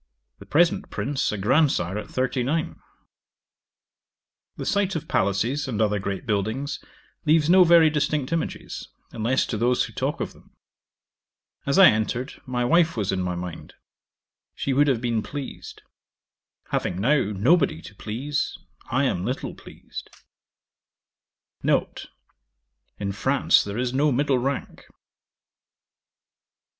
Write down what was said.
The present Prince a grandsire at thirty nine. 'The sight of palaces, and other great buildings, leaves no very distinct images, unless to those who talk of them. As I entered, my wife was in my mind: she would have been pleased. Having now nobody to please, I am little pleased. 'N. In France there is no middle rank.